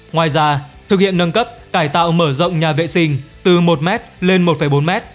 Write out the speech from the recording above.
ngoài ra thực hiện nâng cấp cải tạo mở rộng nhà vệ sinh từ một m lên một bốn m